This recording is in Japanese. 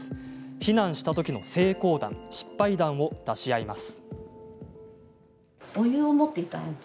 避難したときの成功談、失敗談を出し合います。